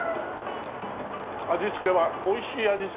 味付けは美味しい味付けだね。